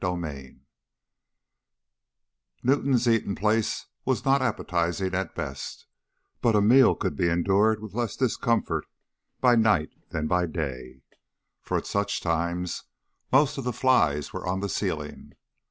CHAPTER XIX Newton's eating places were not appetizing at best, but a meal could be endured with less discomfort by night than by day, for at such times most of the flies were on the ceilings.